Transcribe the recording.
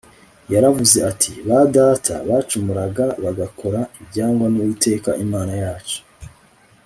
yaravuze ati ba data bacumuraga bagakora ibyangwa n'uwiteka imana yacu